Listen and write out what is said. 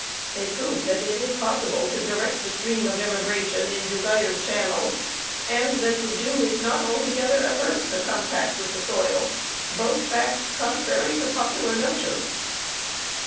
They prove that it is possible to direct the stream of immigration in desired channels and that the Jew is not altogether averse to contact with the soil; both facts contrary to popular notions.